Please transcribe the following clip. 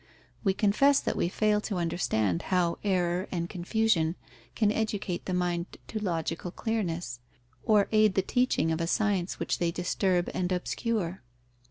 We confess that we fail to understand how error and confusion can educate the mind to logical clearness, or aid the teaching of a science which they disturb and obscure.